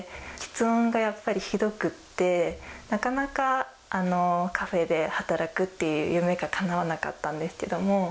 きつ音がやっぱりひどくって、なかなかカフェで働くっていう夢がかなわなかったんですけども。